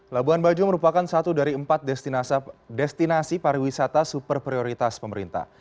labuan bajo merupakan satu dari empat destinasi pariwisata super prioritas pemerintah